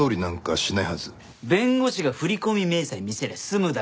弁護士が振込明細見せりゃ済むだろ。